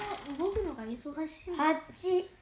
８。